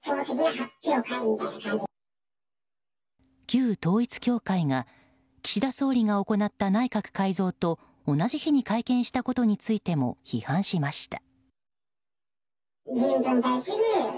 旧統一教会が岸田総理が行った内閣改造と同じ日に会見したことについても批判しました。